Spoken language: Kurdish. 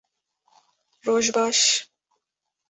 Roj baş!